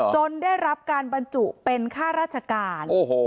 ได้รับการบรรจุเป็นค่าราชการ